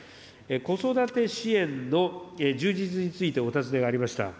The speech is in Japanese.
子育て支援の充実についてお尋ねがありました。